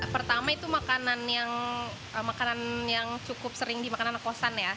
pertama itu makanan yang cukup sering di makanan kosan ya